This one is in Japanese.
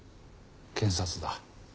検察だ。